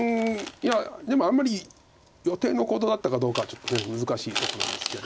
いやでもあんまり予定の行動だったかどうかはちょっと難しいとこなんですけど。